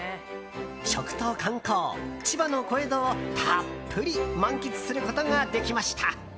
食と観光、千葉の小江戸をたっぷり満喫することができました。